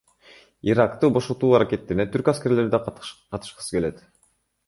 Иракты бошотуу аракеттерине түрк аскерлери да катышкысы келет.